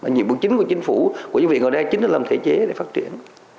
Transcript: những bước chính của chính phủ của những vị ngồi đây chính là làm thể chế để phát triển